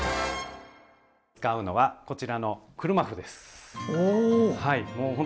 使うのはこちらの車麩です。